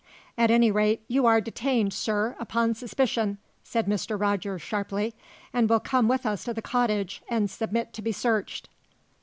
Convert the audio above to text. "At any rate, you are detained, sir, upon suspicion," said Mr. Rogers sharply, "and will come with us to the cottage and submit to be searched."